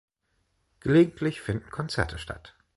Gelegentlich finden Konzerte statt.